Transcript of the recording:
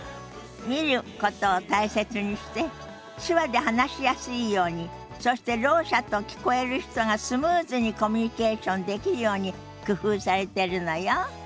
見ることを大切にして手話で話しやすいようにそしてろう者と聞こえる人がスムーズにコミュニケーションできるように工夫されてるのよ。